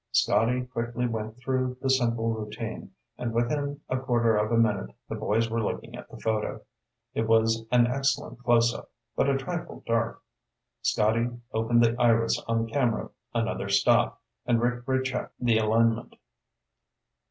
Scotty quickly went through the simple routine, and within a quarter of a minute the boys were looking at the photo. It was an excellent close up, but a trifle dark. Scotty opened the iris on the camera another stop and Rick rechecked the alignment.